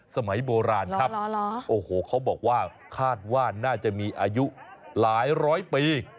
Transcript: สมัยโบราณครับโอ้โหเขาบอกว่าคาดว่าน่าจะมีอายุหลายร้อยปี